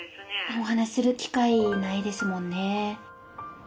お話しする機会ないですもんね。